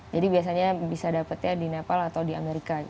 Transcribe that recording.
jadi biasanya bisa dapatnya di nepal atau di amerika gitu